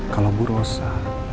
kalau bu rosa